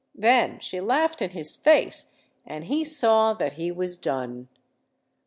Then she laughed in his face—and he saw that he was done.